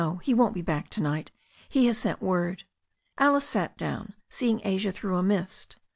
He won't be back to night. He has sent word." Alice sat down, seeing Asia through a mist.